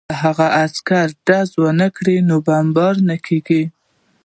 که هغه عسکر ډزې نه وای کړې نو بمبار نه کېده